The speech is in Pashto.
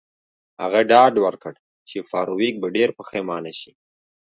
هغه ډاډ ورکړ چې فارویک به ډیر پښیمانه شي